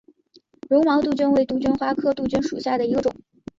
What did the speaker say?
绒毛杜鹃为杜鹃花科杜鹃属下的一个种。